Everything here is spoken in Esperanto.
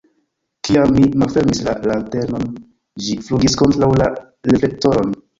Kiam mi malfermis la lanternon, ĝi flugis kontraŭ la reflektoron.